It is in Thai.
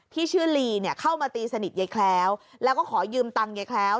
ที่ชื่อลีเนี่ยเข้ามาตีสนิทยายแคล้วแล้วก็ขอยืมตังค์ยายแคล้ว